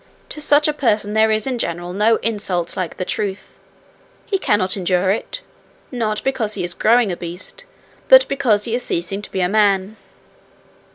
To such a person there is in general no insult like the truth. He cannot endure it, not because he is growing a beast, but because he is ceasing to be a man.